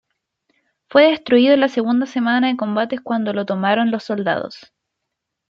Fue destruido en la segunda semana de combates cuando lo tomaron los soldados.